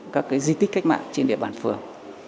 các di tích cách mạng trên địa bàn phường